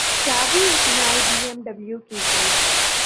چابی ایک نئی بی ایم ڈبلیو کی تھی۔